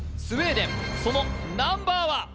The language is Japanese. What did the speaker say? スウェーデンそのナンバーは？